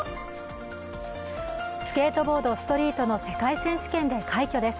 スケートボード・ストリートの世界選手権で快挙です。